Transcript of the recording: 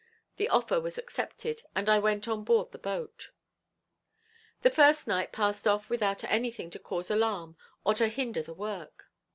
The offer was accepted and I went on board the boat. The first night passed off without anything to cause alarm or to hinder the work.